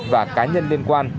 và cá nhân liên quan